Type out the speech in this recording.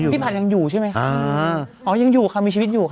ผ่านยังอยู่ใช่ไหมคะอ๋อยังอยู่ค่ะมีชีวิตอยู่ค่ะ